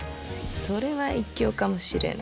それは一興かもしれぬ。